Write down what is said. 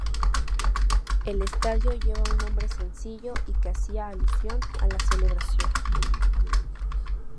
El estadio llevaba un nombre sencillo y que hacia alusión a la celebración.